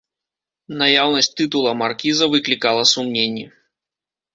Наяўнасць тытула маркіза выклікала сумненні.